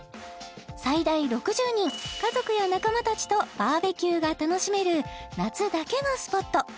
最大６０人家族や仲間たちとＢＢＱが楽しめる夏だけのスポット